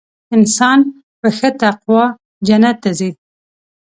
انسان په ښه تقوا جنت ته ځي .